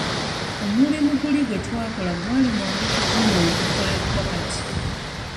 Omulimu guli gwe twakola gwali mwangu ku guno ogukolebwa kati.